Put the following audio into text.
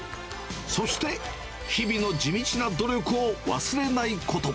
そして日々の地道な努力を忘れないこと。